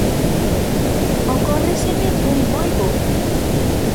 Ocórreseme un moi bo: